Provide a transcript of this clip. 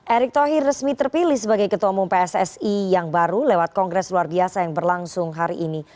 erick thohir resmi terpilih sebagai ketua umum pssi yang baru lewat kongres luar biasa yang berlangsung hari ini